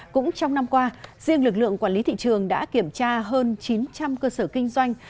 cũng trong năm qua riêng lực lượng quản lý thị trường đã kiểm tra hơn chín trăm linh cơ sở kinh doanh